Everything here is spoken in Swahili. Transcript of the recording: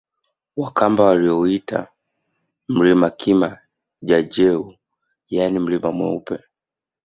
Wakamba walioita mlima Kima jaJeu yaani mlima mweupe